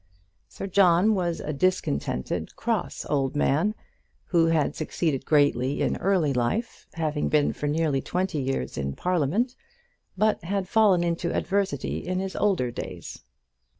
Sir John was a discontented, cross old man, who had succeeded greatly in early life, having been for nearly twenty years in Parliament, but had fallen into adversity in his older days.